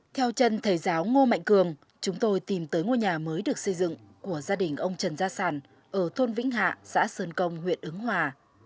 theo chân thầy giáo ngô mạnh cường chúng tôi tìm tới ngôi nhà mới được xây dựng của gia đình ông trần gia sản ở thôn vĩnh hạ xã sơn công huyện ứng hòa